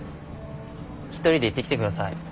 一人で行ってきてください。